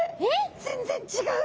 全然違う！